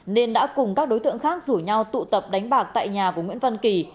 nên đã cùng các đối tượng khác rủ nhau tụ tập đánh bạc tại nhà của nguyễn văn kỳ